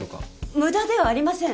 無駄ではありません。